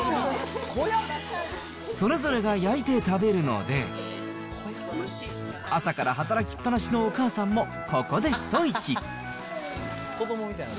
それぞれが焼いて食べるので、朝から働きっぱなしのお母さんもここで一息。